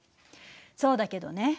そうだけどね。